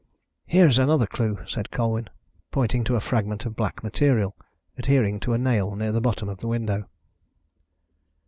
"Here is another clue," said Colwyn, pointing to a fragment of black material adhering to a nail near the bottom of the window.